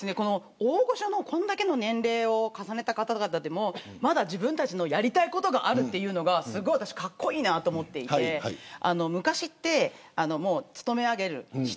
大御所のこれだけの年齢を重ねた方々でもまだ、自分たちのやりたいことがあるというのがすごい格好いいなと思っていて昔って勤め上げる。